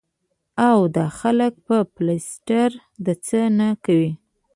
او دا خلک به پلستر د څۀ نه کوي ـ